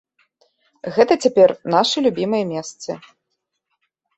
Гэта цяпер нашы любімыя месцы.